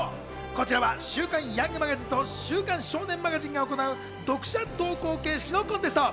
こちらは『週刊ヤングマガジン』と『週刊少年マガジン』が行う、読者投稿形式のコンテスト。